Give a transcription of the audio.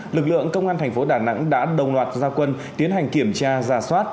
lực lượng công an thành phố đà nẵng đã đồng loạt gia quân tiến hành kiểm tra giả soát